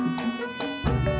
enggak ada oh alia sees